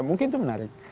mungkin itu menarik